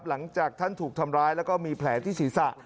หลังจากท่านถูกทำร้ายแล้วก็มีแผลที่ศีรษะ